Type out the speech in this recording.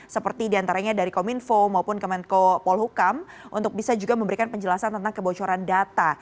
seperti diantaranya dari kominfo maupun kemenko polhukam untuk bisa juga memberikan penjelasan tentang kebocoran data